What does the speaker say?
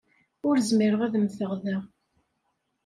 Ur zmireɣ ad mmteɣ da.